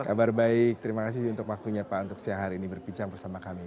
kabar baik terima kasih untuk waktunya pak untuk siang hari ini berbincang bersama kami